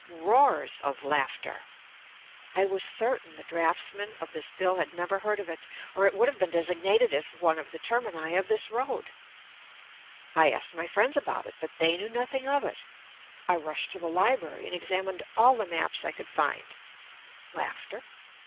(Roars of laughter.) I was certain the draughtsman of this bill had never heard of it, or it would have been designated as one of the termini of this road. I asked my friends about it, but they knew nothing of it. I rushed to the library, and examined all the maps I could find.